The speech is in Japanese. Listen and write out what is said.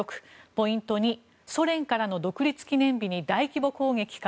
ポイント２ソ連からの独立記念日に大規模攻撃か。